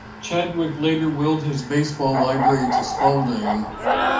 Chadwick later willed his baseball library to Spalding.